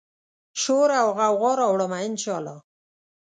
شوراوغوغا راوړمه، ان شا الله